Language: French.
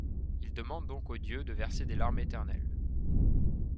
Il demande donc aux dieux de verser des larmes éternelles.